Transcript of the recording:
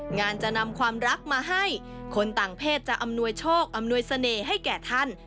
งานจะนำความรักมาให้คนต่างเพศจะอำนวยโชคอำนวยเสน่ห์ให้แก่ท่าน